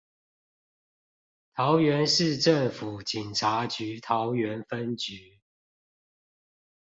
桃園市政府警察局桃園分局